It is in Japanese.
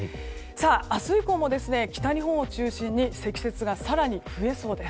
明日以降も北日本を中心に積雪が更に増えそうです。